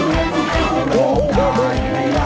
สำหรับเพลงนี้มีมูลค่า๔๐๐๐๐บาทคุณนุ้ยร้องไปแล้วนะครับ